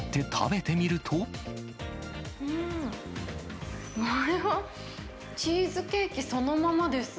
うーん、これはチーズケーキそのものです。